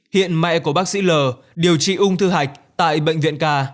hiện mẹ của bác sĩ l điều trị ung thư hạch tại bệnh viện ca